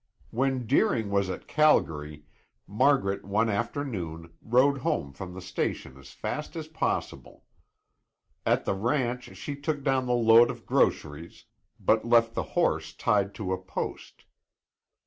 When Deering was at Calgary, Margaret one afternoon rode home from the station as fast as possible. At the ranch she took down the load of groceries but left the horse tied to a post.